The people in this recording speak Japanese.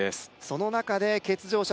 その中で欠場者